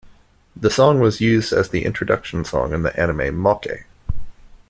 The song was used as the introduction song in the anime Mokke.